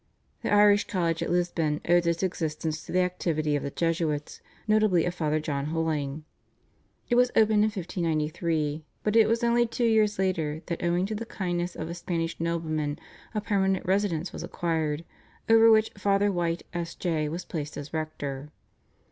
The Irish college at Lisbon owed its existence to the activity of the Jesuits, notably of Father John Holing. It was opened in 1593, but it was only two years later that owing to the kindness of a Spanish nobleman a permanent residence was acquired, over which Father White, S.J., was placed as rector.